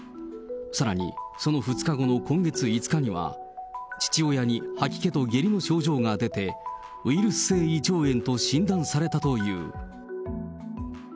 さらにその２日後の今月５日には、父親に吐き気と下痢の症状が出て、ウイルス性胃腸炎と診断されたという。